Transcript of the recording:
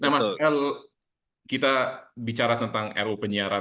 mas l kita bicara tentang ruu penyiaran